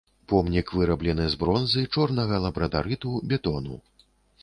Помнік выраблены з бронзы, чорнага лабрадарыту, бетону.